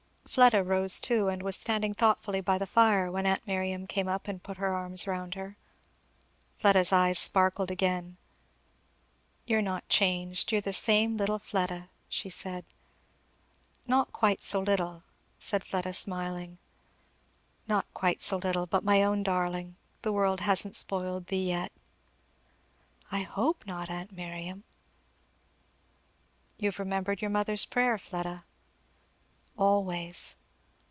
Fleda rose too, and was standing thoughtfully by the fire, when aunt Miriam came up and put her arms round her. Fleda's eyes sparkled again. "You're not changed you're the same little Fleda," she said. "Not quite so little," said Fleda smiling. "Not quite so little, but my own darling. The world hasn't spoiled thee yet." "I hope not, aunt Miriam." "You have remembered your mother's prayer, Fleda?" "Always!"